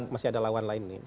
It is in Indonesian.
masih ada lawan lain nih